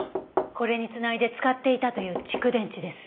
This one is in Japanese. これに繋いで使っていたという蓄電池です。